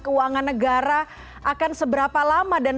keuangan negara akan seberapa lama dan